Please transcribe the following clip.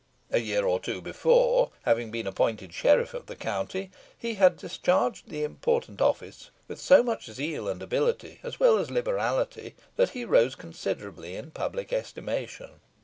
A year or two before, having been appointed sheriff of the county, he had discharged the important office with so much zeal and ability, as well as liberality, that he rose considerably in public estimation.